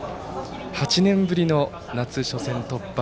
８年ぶりの夏、初戦突破。